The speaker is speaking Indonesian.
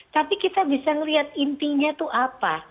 tapi kita bisa melihat intinya itu apa